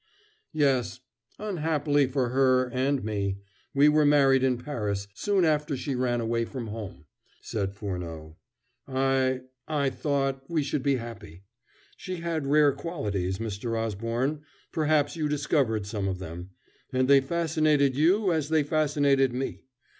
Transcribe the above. "Yes, unhappily for her and me, we were married in Paris soon after she ran away from home," said Furneaux. "I I thought we should be happy. She had rare qualities, Mr. Osborne; perhaps you discovered some of them, and they fascinated you as they fascinated me.